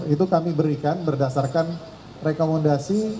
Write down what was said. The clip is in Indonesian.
itu kami berikan berdasarkan rekomendasi